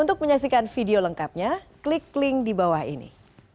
untuk menyaksikan video lengkapnya klik link di bawah ini